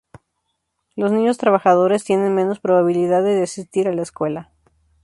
Los niños trabajadores tienen menos probabilidades de asistir a la escuela.